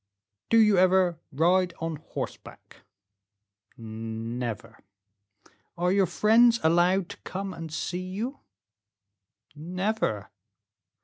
"Do you ever ride on horseback?" "Never." "Are your friends allowed to come and see you?" "Never."